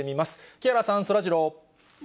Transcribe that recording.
木原さん、そらジロー。